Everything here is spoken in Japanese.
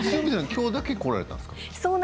今日だけ来られたんですか？